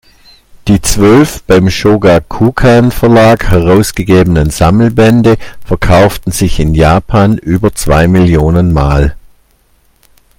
Die zwölf beim Shōgakukan-Verlag herausgegebenen Sammelbände verkauften sich in Japan über zwei Millionen Mal.